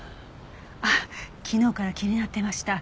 あっ昨日から気になっていました。